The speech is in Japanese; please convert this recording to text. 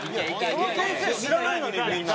その先生を知らないのにみんな。